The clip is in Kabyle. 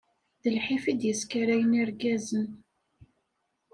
D lḥif i d-yeskarayen irgazen.